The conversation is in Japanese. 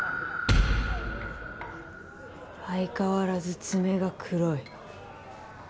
相変わらず爪が黒い。